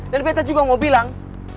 dan beta juga mau bilang